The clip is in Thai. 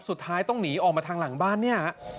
สุดท้ายต้องหนีออกมาทางหลังบ้านเนี่ย